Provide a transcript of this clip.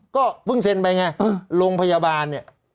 ก็เพิ่งเซ็นไปไงโรงพยาบาลเนี่ย